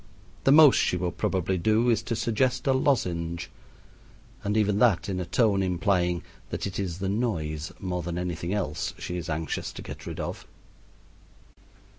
The most she will probably do is to suggest a lozenge, and even that in a tone implying that it is the noise more than anything else she is anxious to get rid of.